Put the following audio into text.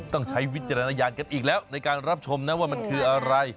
ใช้วิจารณญาณกันอีกแล้วในการรับชมนะว่ามันคืออะไร